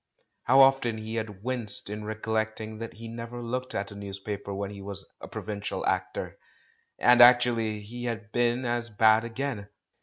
How often he had winced in recollecting that he never looked at a newspaper when he was a provincial actor! And actually he had been as bad again.